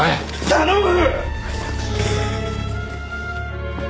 頼む！